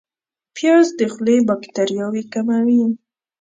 پیاز د خولې باکتریاوې کموي